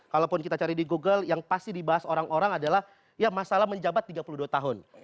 kalaupun kita cari di google yang pasti dibahas orang orang adalah ya masalah menjabat tiga puluh dua tahun